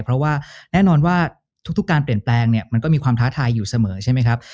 เพราะว่าแน่นอนว่าทุกการเปลี่ยนแปลงเนี่ยมันก็มีความท้าทายอยู่เสมอใช่ไหมครับ